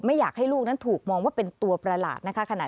อยากให้ลูกนั้นถูกมองว่าเป็นตัวประหลาดนะคะ